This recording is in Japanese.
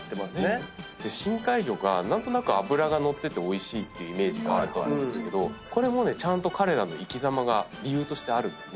深海魚が何となく脂が乗ってておいしいっていうイメージがあると思うんですけどこれもねちゃんと彼らの生きざまが理由としてあるんですね。